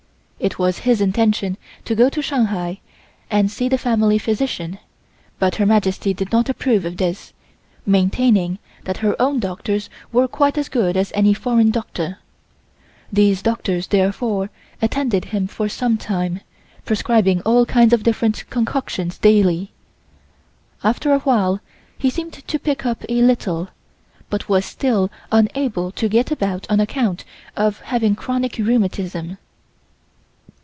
It was his intention to go to Shanghai and see the family physician, but Her Majesty did not approve of this, maintaining that her own doctors were quite as good as any foreign doctor. These doctors therefore attended him for some time, prescribing all kinds of different concoctions daily. After a while he seemed to pick up a little but was still unable to get about on account of having chronic rheumatism.